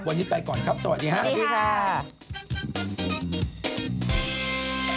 วันนี้ไปก่อนครับสวัสดีค่ะ